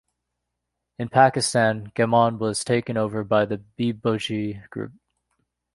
In Pakistan Gammon was taken over by the Bibojee Group.